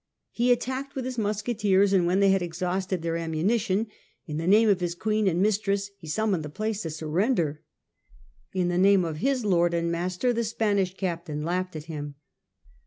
He attacked with his musketeers, and when they had exhausted their ammunition, in the name of his Queen and mistress he summoned the place to surrender. In the name of his lord and master the Spanish captain laughed at him.